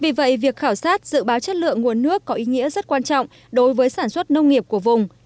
vì vậy việc khảo sát dự báo chất lượng nguồn nước có ý nghĩa rất quan trọng đối với sản xuất nông nghiệp của vùng